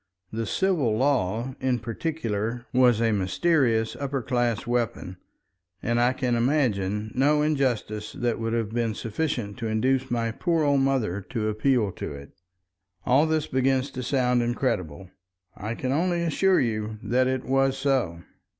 The civil law, in particular, was a mysterious upper class weapon, and I can imagine no injustice that would have been sufficient to induce my poor old mother to appeal to it. All this begins to sound incredible. I can only assure you that it was so.